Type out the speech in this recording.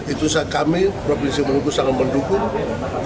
itu kami provinsi maluku sangat mendukung